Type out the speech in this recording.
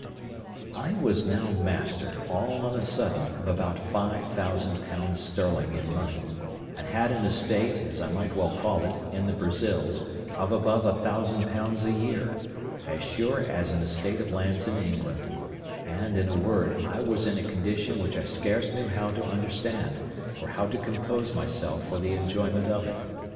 I was now master, all on a sudden, of above five thousand pounds sterling in money, and had an estate, as I might well call it, in the Brazils, of above a thousand pounds a year, as sure as an estate of lands in England: and, in a word, I was in a condition which I scarce knew how to understand, or how to compose myself for the enjoyment of it.